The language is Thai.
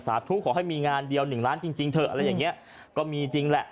ทุกขอให้มีงานเดียวหนึ่งล้านจริงจริงเถอะอะไรอย่างเงี้ยก็มีจริงแหละ